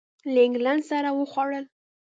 له اینګلینډ سره وخوړل.